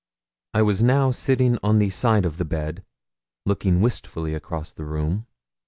I was now sitting on the side of the bed, looking wistfully across the room.